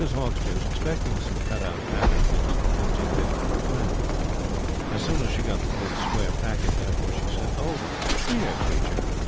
Hauksbee was expecting some cut out pattern things in flimsy paper from a friend. As soon as she got the big square packet, therefore, she said, "Oh, the DEAR creature!"